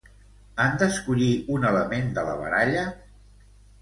Han d'escollir un element de la baralla?